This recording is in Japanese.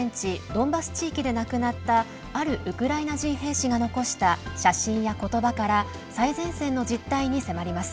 ドンバス地域で亡くなったあるウクライナ人兵士が残した写真や、ことばから最前線の実態に迫ります。